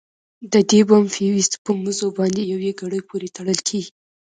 د دې بم فيوز په مزو باندې يوې ګړۍ پورې تړل کېږي.